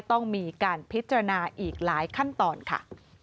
ต้องมีการพิจารณาอีกหลายขั้นตอนค่ะ